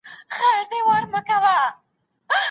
د اقتصاد تحلیل د پوهانو دنده ده.